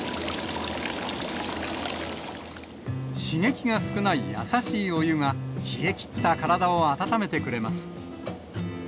刺激が少ない優しいお湯が、冷え切った体を温めてくれます。